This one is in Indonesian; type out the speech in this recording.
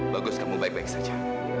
bagus kamu baik baik saja